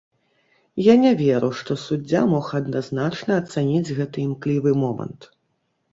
Я не веру, што суддзя мог адназначна ацаніць гэты імклівы момант.